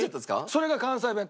それが関西弁。